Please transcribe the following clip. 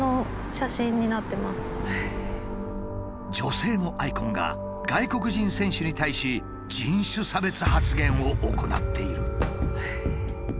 女性のアイコンが外国人選手に対し人種差別発言を行っている。